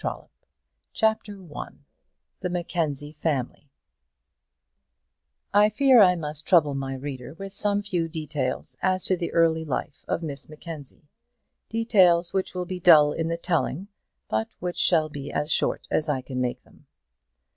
Conclusion CHAPTER I The Mackenzie Family I fear I must trouble my reader with some few details as to the early life of Miss Mackenzie, details which will be dull in the telling, but which shall be as short as I can make them.